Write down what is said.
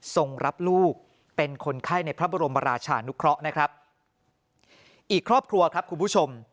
ส่งรับลูกเป็นคนไข้ในพระบรมราชานุเคราะห์นะครับอีกครอบครัวครับคุณผู้ชม